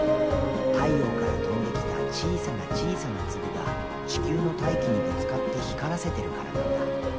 太陽から飛んできた小さな小さな粒が地球の大気にぶつかって光らせてるからなんだ。